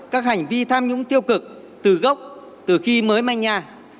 các hành vi tham nhũng tiêu cực từ gốc từ khi mới manh nhà